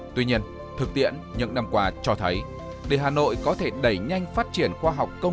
tuy nhiên thực tiễn những năm qua cho thấy để hà nội có thể đẩy nhanh phát triển khoa học công